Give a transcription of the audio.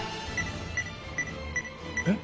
えっ？